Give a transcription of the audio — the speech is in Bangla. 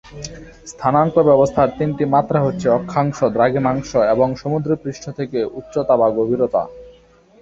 স্থানাঙ্ক ব্যবস্থার তিনটি মাত্রা হচ্ছে অক্ষাংশ, দ্রাঘিমাংশ এবং সমুদ্রপৃষ্ঠ থেকে উচ্চতা বা গভীরতা।